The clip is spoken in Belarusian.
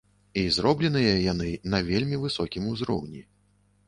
І зробленыя яны на вельмі высокім узроўні.